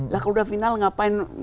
kalau udah final ngapain